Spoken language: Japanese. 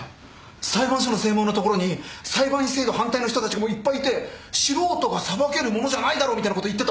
裁判所の正門の所に裁判員制度反対の人たちがもういっぱいいて「素人が裁けるものじゃないだろう」みたいなこと言ってた。